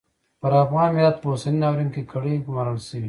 پر افغان ملت په اوسني ناورین کې کړۍ ګومارل شوې.